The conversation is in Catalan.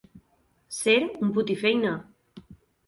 Ser un putifeina.